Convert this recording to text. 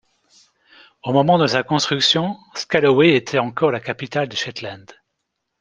Au moment de sa construction, Scalloway était encore la capitale des Shetland.